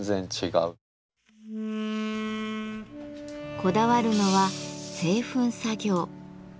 こだわるのは製粉作業。